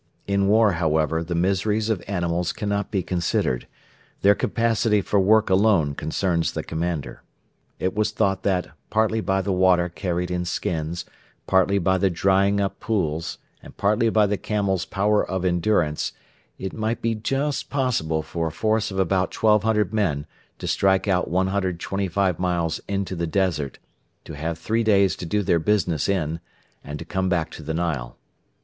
In war, however, the miseries of animals cannot be considered; their capacity for work alone concerns the commander. It was thought that, partly by the water carried in skins, partly by the drying up pools, and partly by the camel's power of endurance, it might be just possible for a force of about 1,200 men to strike out 125 miles into the desert, to have three days to do their business in, and to come back to the Nile.